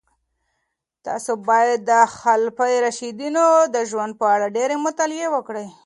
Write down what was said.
تاسو باید د خلفای راشدینو د ژوند په اړه ډېرې مطالعې وکړئ.